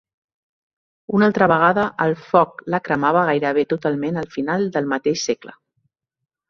Una altra vegada el foc la cremava gairebé totalment al final del mateix segle.